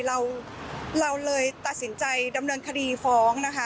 เราเราเลยตัดสินใจดำเนินคดีฟ้องนะคะ